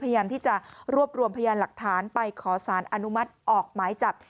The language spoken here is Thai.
พยายามที่จะรวบรวมพยานหลักฐานไปขอสารอนุมัติออกหมายจับ